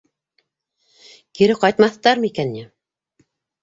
Кире ҡайтмаҫтармы икән ни?